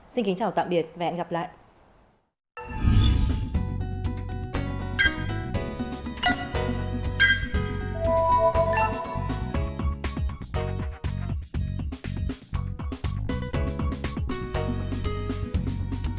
xin kính chào tạm biệt và hẹn gặp lại